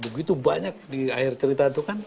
begitu banyak di akhir cerita itu kan